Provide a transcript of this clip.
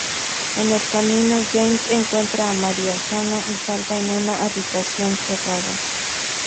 En el camino, James encuentra a María sana y salva en una habitación cerrada.